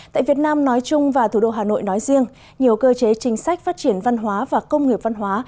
tại việt nam nói chung và thủ đô hà nội nói riêng nhiều cơ chế chính sách phát triển văn hóa và công nghiệp văn hóa